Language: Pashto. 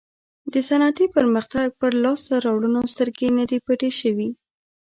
د صنعتي پرمختګ پر لاسته راوړنو سترګې نه دي پټې شوې.